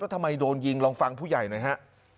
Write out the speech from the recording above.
ทำไมโดนยิงลองฟังผู้ใหญ่หน่อยฮะ